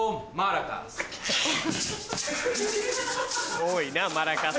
多いなマラカス。